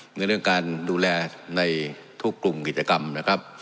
ในเรื่องการดูแลในทุกกลุ่มกิจกรรมนะครับ